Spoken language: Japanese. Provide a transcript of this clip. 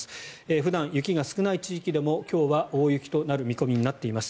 普段、雪が少ない地域でも今日は大雪となる見込みとなっています。